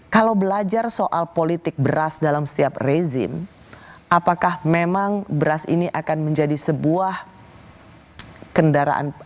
kalau belajar soal politik beras dalam setiap rezim apakah memang beras ini akan menjadi sebuah kendaraan